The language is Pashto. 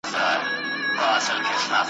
ستا خو په خزان پسي بهار دی بیا به نه وینو,